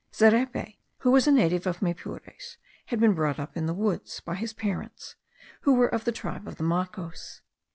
Zerepe, who was a native of Maypures, had been brought up in the woods by his parents, who were of the tribe of the Macos.